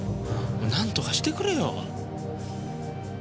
何とかしてくれよ。